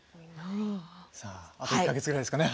あと１か月ぐらいですね。